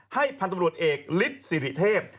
ให้พลตำรวจเอกฤทธิ์สิริเทพฯ